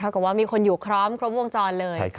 ก็ว่ามีคนอยู่ครอบกรมวงจรเลย